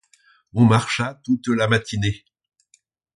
On marcha toute la matinée.